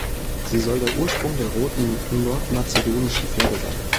Sie soll der Ursprung der roten, nordmazedonischen Flagge sein.